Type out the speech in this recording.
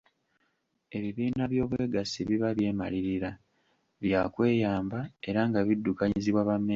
Ebibiina by’Obwegassi biba byemalirira, bya kweyamba era nga biddukanyizibwa bammemba baabyo.